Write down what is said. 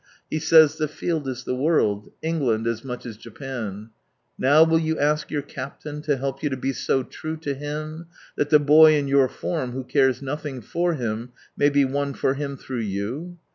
He says, '■ The field is the world," — England as much as Japan, Now will you ask your Captain to help you to be so true to Him, that the boy in your form who cares nothing for Him may be won for Him through you